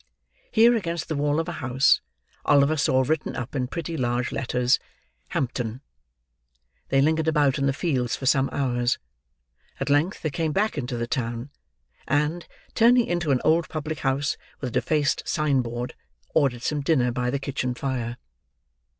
Here against the wall of a house, Oliver saw written up in pretty large letters, "Hampton." They lingered about, in the fields, for some hours. At length they came back into the town; and, turning into an old public house with a defaced sign board, ordered some dinner by the kitchen fire.